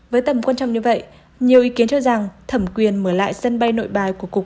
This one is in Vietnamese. với tầm quan trọng như vậy nhiều ý kiến cho rằng thẩm quyền mở lại sân bay nội bài của cục